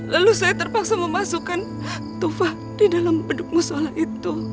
lalu saya terpaksa memasukkan tufah di dalam beduk musola itu